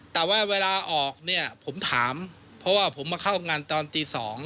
แต่ว่าเวลาออกเนี่ยผมถามเพราะว่าผมมาเข้างานตอนตี๒